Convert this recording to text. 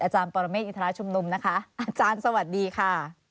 อาจารย์ปรเมฆอิทธาชุมนุมนะคะอาจารย์สวัสดีค่ะ